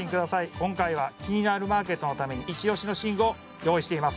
今回は「キニナルマーケット」のためにイチオシの寝具を用意しています